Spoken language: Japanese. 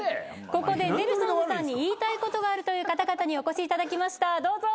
ここでネルソンズさんに言いたいことがあるという方々にお越しいただきましたどうぞ。